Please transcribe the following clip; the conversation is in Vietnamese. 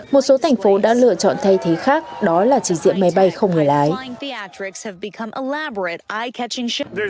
một số thành phố đã lựa chọn thay thế khác đó là trình diện máy bay không người lái